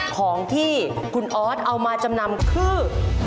ของที่คุณออสเอามาจำนำคือ